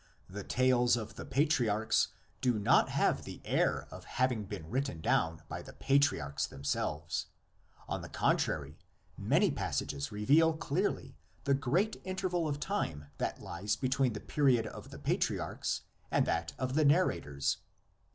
The tales of the patriarchs do not have the air of having been written down by the patriarchs them selves; on the contrary many passages reveal clearly the great interval of time that lies between the period of the patriarchs and that of the narrators.